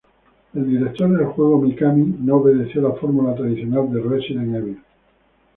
El director del juego, Mikami, no obedeció la fórmula tradicional de "Resident Evil".